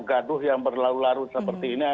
gaduh yang berlalu larut seperti ini